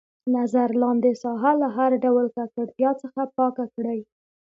نظر لاندې ساحه له هر ډول ککړتیا څخه پاکه کړئ.